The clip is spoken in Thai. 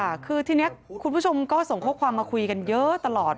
ค่ะคือทีนี้คุณผู้ชมก็ส่งข้อความมาคุยกันเยอะตลอด